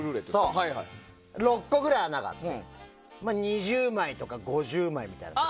６個ぐらい穴があって２０枚とか５０枚みたいな。